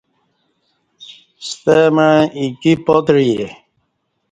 ستمع ایکی پاتعے